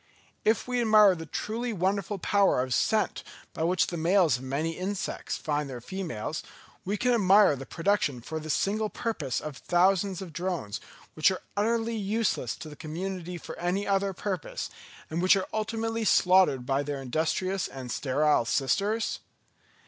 If we admire the truly wonderful power of scent by which the males of many insects find their females, can we admire the production for this single purpose of thousands of drones, which are utterly useless to the community for any other purpose, and which are ultimately slaughtered by their industrious and sterile sisters?